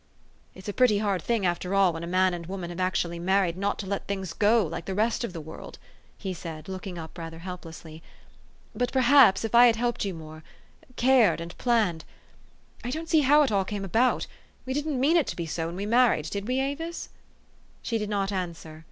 u It's a pretty hard thing, after all, when a man and woman have actually married, not to let things go like the rest of the world," he said, looking up rather helplessly. "But perhaps, if I had helped you more cared and planned I don't see how it all came about. We didn't mean it to be so when we married, did we, Avis? " She did not answer.